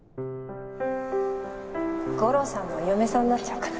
五郎さんのお嫁さんになっちゃおうかな。